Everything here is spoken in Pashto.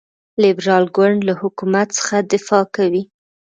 لیبرال ګوند له حکومت څخه دفاع کوي.